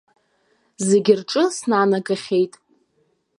Зегьы рҿы снанагахьеит.